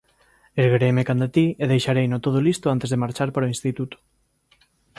Erguereime canda ti e deixareino todo listo antes de marchar para o instituto.